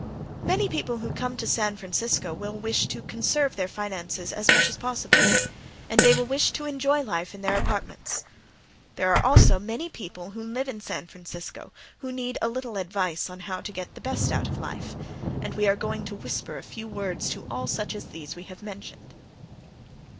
Many people who come to San Francisco will wish to conserve their finances as much as possible, and they will wish to enjoy life in their apartments. There are also many people who live in San Francisco who need a little advice on how to get the best out of life, and we are going to whisper a few words to all such as these we have mentioned.